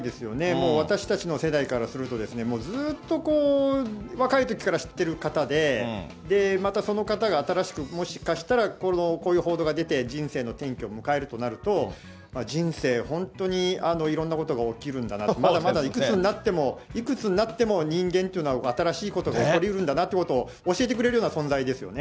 もう私たちの世代からすると、もうずっと若いときから知っている方で、またその方が新しくもしかしたらこういう報道が出て、人生の転機を迎えるとなると、人生本当にいろんなことが起きるんだなと、いくつになっても人間っていうのは、新しいこと起こりうるんだなということを教えてくれるような存在ですよね。